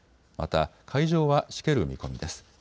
また、海上はしける見込みです。